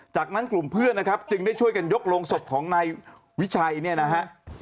จากนั้นกลุ่มเพื่อนนะครับจึงได้ช่วยกันยกโรงศพของนายวิชัยเนี่ยนะฮะ